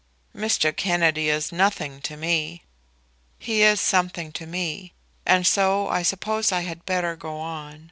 "Mr. Kennedy is nothing to me." "He is something to me, and so I suppose I had better go on.